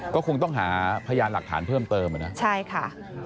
ก็คงต้องหาพยานหลักฐานเพิ่มเติมอ่ะนะใช่ค่ะ